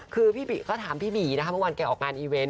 คือเขาถามพี่บีเมื่อวานแก่ออกงานอีเวนต์